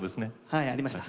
はいありました。